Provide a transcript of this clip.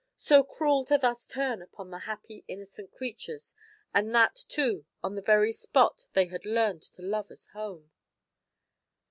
So cruel to thus turn upon the happy, innocent creatures, and that, too, on the very spot they had learned to love as home!